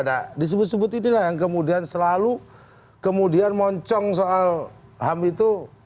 nah disebut sebut ini lah yang selalu kemudian moncong soal ham itu